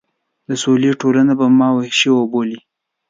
د سولې ټولنه به ما وحشي وبولي.